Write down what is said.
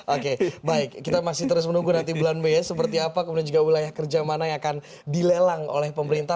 oke baik kita masih terus menunggu nanti bulan mei seperti apa kemudian juga wilayah kerja mana yang akan dilelang oleh pemerintah